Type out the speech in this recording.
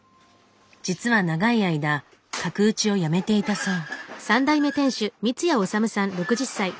実は長い間角打ちをやめていたそう。